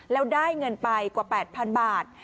แล้วได้เงินไปกว่า๘๐๐๐บาท